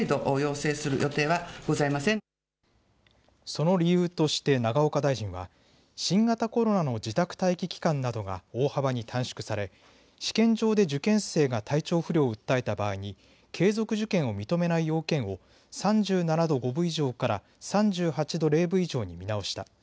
その理由として永岡大臣は新型コロナの自宅待機期間などが大幅に短縮され、試験場で受験生が体調不良を訴えた場合に継続受験を認めない要件を３７度５分以上から３８度０分以上に見直した。